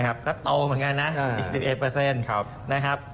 ก็โตเหมือนกันนะอีก๑๑นะครับ